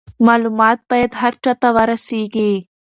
معلومات باید هر چا ته ورسیږي.